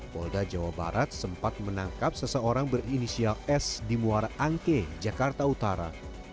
polda jawa barat sempat menangkap seseorang berinisial s di muara angke jakarta utara